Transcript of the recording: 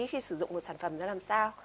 khi sử dụng một sản phẩm đó làm sao